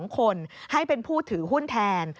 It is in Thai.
๒คนให้เป็นผู้ถือหุ้นแทน